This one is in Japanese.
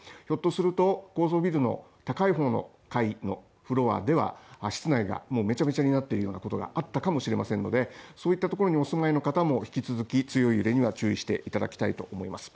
ひょっとすると高層ビルの高い方の階では室内がもうめちゃめちゃになっているようなことがあったかもしれませんのでそういったところにお住まいの方も引き続き強い揺れにはご注意していただきたい。